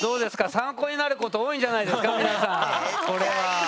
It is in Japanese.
参考になること多いんじゃないですか皆さん。